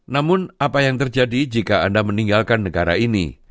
namun apa yang terjadi jika anda meninggalkan negara ini